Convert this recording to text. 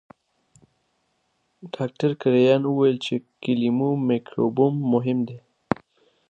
ډاکټر کرایان وویل چې کولمو مایکروبیوم مهم دی.